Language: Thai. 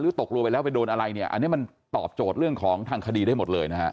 ตกลงไปแล้วไปโดนอะไรเนี่ยอันนี้มันตอบโจทย์เรื่องของทางคดีได้หมดเลยนะฮะ